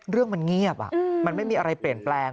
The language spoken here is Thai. เรื่องมันเงียบมันไม่มีอะไรเปลี่ยนแปลง